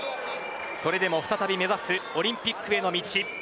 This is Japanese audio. それでも再び目指すオリンピックへの道。